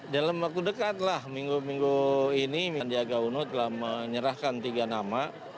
dalam waktu dekat lah minggu minggu ini sandiaga uno telah menyerahkan tiga nama